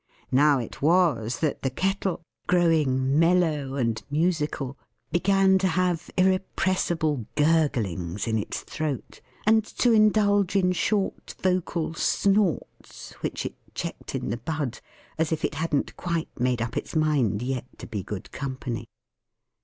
Now it was, that the Kettle, growing mellow and musical, began to have irrepressible gurglings in its throat, and to indulge in short vocal snorts, which it checked in the bud, as if it hadn't quite made up its mind yet, to be good company.